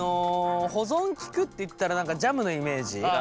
保存利くっていったら何かジャムのイメージ。